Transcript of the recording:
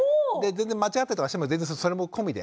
全然間違ってたりとかしてもそれも込みで。